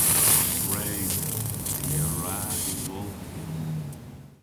Gwredh! Ty a wra y wolghi.